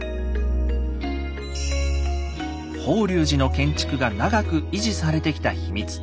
法隆寺の建築が長く維持されてきたヒミツ。